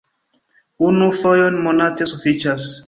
Unu fojon monate sufiĉas!